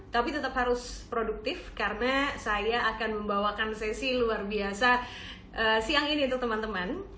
tapi tetap harus produktif karena saya akan membawakan sesi luar biasa siang ini untuk teman teman